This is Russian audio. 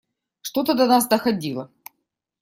Что-то до нас доходило.